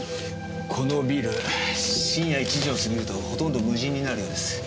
このビル深夜１時を過ぎるとほとんど無人になるようです。